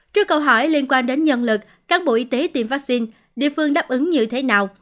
trước câu hỏi liên quan đến nhân lực cán bộ y tế tiêm vaccine địa phương đáp ứng như thế nào